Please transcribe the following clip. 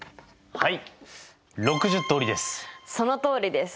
はい。